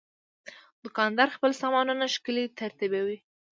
دوکاندار خپل سامانونه ښکلي ترتیبوي.